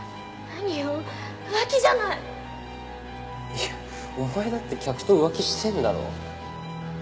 いやお前だって客と浮気してんだろ。